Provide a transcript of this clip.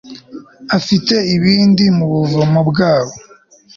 afite ibindi , mu buvumo bwabo